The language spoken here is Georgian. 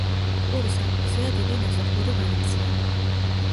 ყურის ნაპირზეა დიდი ნავსადგური ვალენსია.